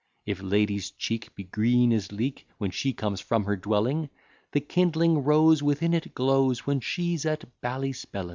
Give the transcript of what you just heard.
If lady's cheek be green as leek When she comes from her dwelling, The kindling rose within it glows When she's at Ballyspellin.